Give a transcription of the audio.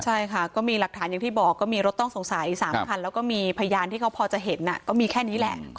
ใช่ค่ะก็มีหลักฐานอย่างที่บอกก็มีรถต้องสงสัยอีก๓คัน